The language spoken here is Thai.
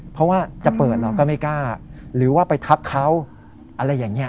เพราะว่าจะเปิดเราก็ไม่กล้าหรือว่าไปทักเขาอะไรอย่างนี้